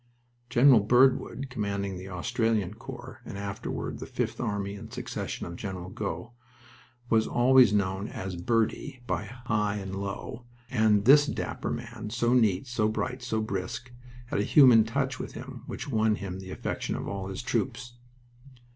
General Birdwood, commanding the Australian Corps, and afterward the Fifth Army in succession to General Gough, was always known as "Birdie" by high and low, and this dapper man, so neat, so bright, so brisk, had a human touch with him which won him the affection of all his troops.